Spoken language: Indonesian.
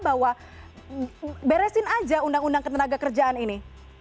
bahwa beresin aja undang undang ketenaga kerjaan ini